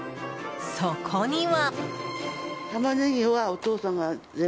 そこには。